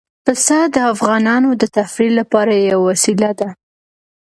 پسه د افغانانو د تفریح لپاره یوه وسیله ده.